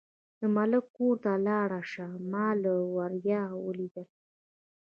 د ملک کور ته لاړه شه، ما له ورايه ولیدل.